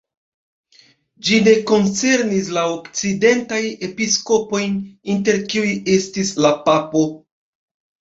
Ĝi ne koncernis la okcidentajn episkopojn, inter kiuj estis la papo.